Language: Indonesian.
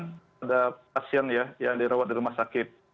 terhadap pasien yang dirawat di rumah sakit